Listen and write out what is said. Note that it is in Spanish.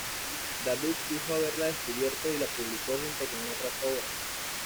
David dijo haberla descubierto, y la publicó junto con otras obras.